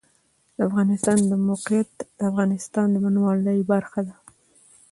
د افغانستان د موقعیت د افغانستان د بڼوالۍ برخه ده.